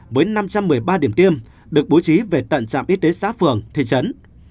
với năm trăm một mươi ba điểm tiêm được bố trí về tận trạm y tế xã phường thị trấn